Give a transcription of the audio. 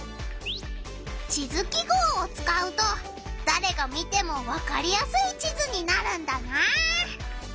地図記号をつかうとだれが見てもわかりやすい地図になるんだな！